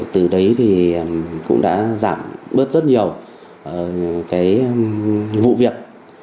từ đấy thì cũng đã giảm bớt rất nhiều cái vụ việc